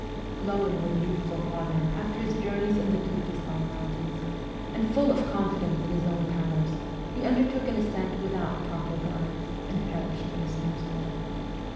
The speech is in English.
Glowing with youthful ardour after his journeys in the Turkestan mountains, and full of confidence in his own powers, he undertook an ascent without proper guides, and perished in a snow storm.